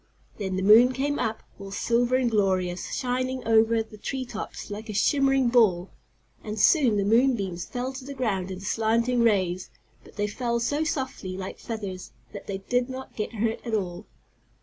Then the moon came up, all silver and glorious; shining over the tree tops like a shimmering ball, and soon the moon beams fell to the ground in slanting rays, but they fell so softly, like feathers, that they did not get hurt at all.